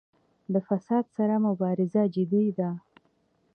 د فساد سره مبارزه جدي ده؟